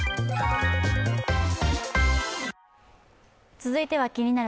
続いては「気になる！